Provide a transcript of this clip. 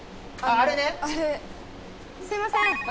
すいません。